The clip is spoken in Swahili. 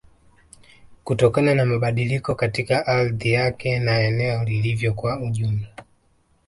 Kutokana na mabadiliko katika ardhi yake na eneo lilivyo kwa ujumla